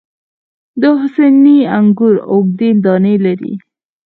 د حسیني انګور اوږدې دانې لري.